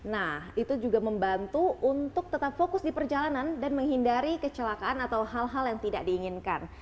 nah itu juga membantu untuk tetap fokus di perjalanan dan menghindari kecelakaan atau hal hal yang tidak diinginkan